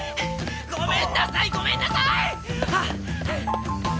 ごめんなさいごめんなさーい！